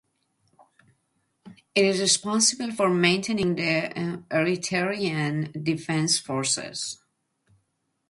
It is responsible for maintaining the Eritrean Defence Forces.